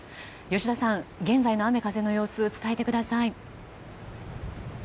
吉田さん、現在の雨風の様子を伝えてください。